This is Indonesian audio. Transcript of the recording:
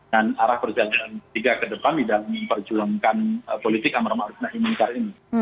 dan arah perjalanan ketiga ke depan dalam memperjuangkan politik yang merumahkan imunitar ini